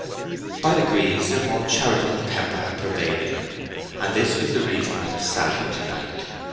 By degrees a more charitable temper had pervaded him, and this was the reason of his sally to night.